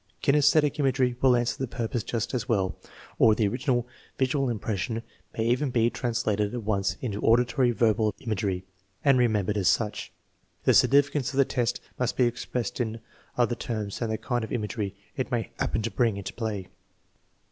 Kinsesthetic imagery will answer the purpose just as well, or the original visual impression may even be trans lated at once into auditory verbal imagery and remembered as such. The significance of the test must be expressed in other terms than the kind of imagery it may happen to bring into play.